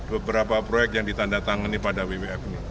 beberapa proyek yang ditandatangani pada wwf ini